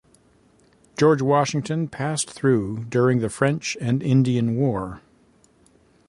George Washington passed through during the French and Indian War.